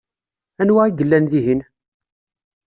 Anwa i yellan dihin?